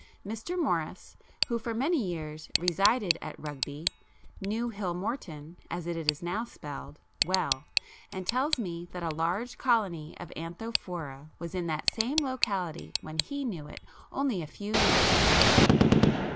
Mr. Morice, who for many years resided at Rugby, knew Hillmorton, as it is now spelled, well, and tells me that a large colony of Anthophora was in that same locality when he knew it only a few years ago.